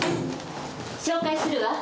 紹介するわ。